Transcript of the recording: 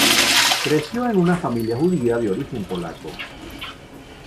Creció en una familia judía de origen polaco.